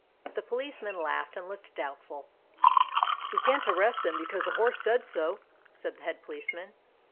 The policemen laughed and looked doubt ful. "We can't arrest them because a horse said so," said the Head Policeman.